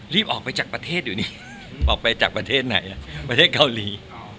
รีบออกไปจากประเทศอยู่นี่ออกไปจากประเทศไหนประเทศเกาหลี